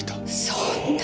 そんな。